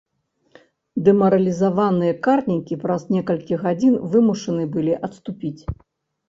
Дэмаралізаваныя карнікі праз некалькі гадзін вымушаны былі адступіць.